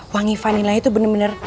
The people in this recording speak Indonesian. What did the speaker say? wangi vanila itu bener bener